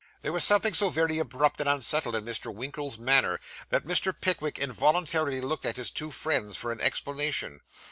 There was something so very abrupt and unsettled in Mr. Winkle's manner, that Mr. Pickwick involuntarily looked at his two friends for an explanation.